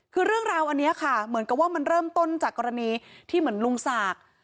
คือเรื่องราวอันนี้ค่ะเหมือนกับว่ามันเริ่มต้นจากกรณีที่เหมือนลุงศักดิ์